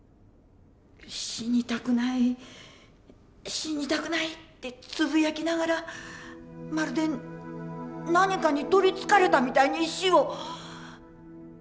「死にたくない死にたくない」ってつぶやきながらまるで何かに取りつかれたみたいに石を。